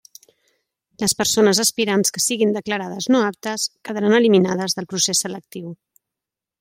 Les persones aspirants que siguin declarades no aptes quedaran eliminades del procés selectiu.